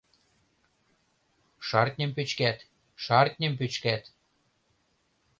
Шартньым пӱчкат, шартньым пӱчкат